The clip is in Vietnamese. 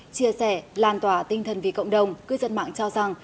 chia sẻ lan tỏa tinh thần vì cộng đồng cư dân mạng cho rằng